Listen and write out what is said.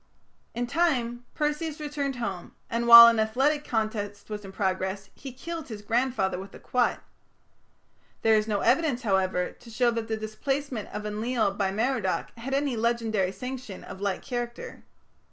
In time, Perseus returned home, and while an athletic contest was in progress, he killed his grandfather with a quoit. There is no evidence, however, to show that the displacement of Enlil by Merodach had any legendary sanction of like character.